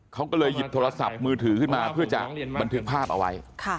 เขาก็เลยหยิบโทรศัพท์มือถือขึ้นมาเพื่อจะบันทึกภาพเอาไว้